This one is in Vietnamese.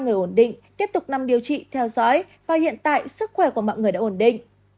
người ổn định tiếp tục nằm điều trị theo dõi và hiện tại sức khỏe của mọi người đã ổn định